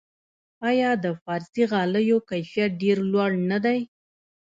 آیا د فارسي غالیو کیفیت ډیر لوړ نه دی؟